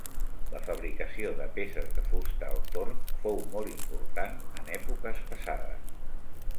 La fabricació de peces de fusta al torn fou molt important en èpoques passades.